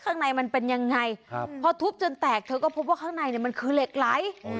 ข้างในมันเป็นยังไงพอทุบจนแตกเธอก็พบว่าข้างในเนี่ยมันคือเหล็กไหล